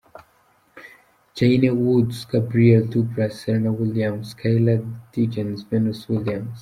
Cheyenne Woods Gabrielle Douglas Serena Williams Skylar Diggins Venus Williams.